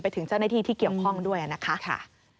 ถึงเจ้าหน้าที่ที่เกี่ยวข้องด้วยนะคะ